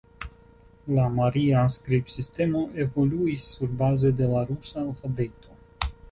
La maria skribsistemo evoluis surbaze de la rusa alfabeto.